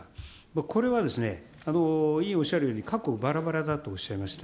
これはですね、委員おっしゃるように、各国ばらばらだとおっしゃいました。